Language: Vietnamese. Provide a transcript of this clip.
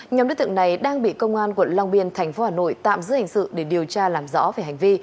nhóm đối tượng này đang bị công an quận long biên tp hà nội tạm giữ hành sự để điều tra làm rõ về hành vi